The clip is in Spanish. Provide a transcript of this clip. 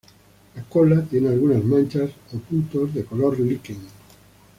La cola tiene algunas manchas o puntos de color liquen.